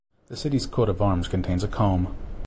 The city's coat of arms contains a comb.